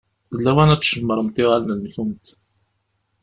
D lawan ad tcemmṛemt iɣallen-nkent.